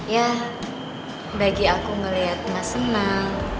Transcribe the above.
ya bagi aku melihat mas senang